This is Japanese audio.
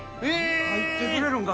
入ってくれるんか？